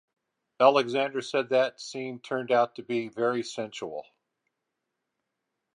Alexander said that scene turned out to be "very sensual".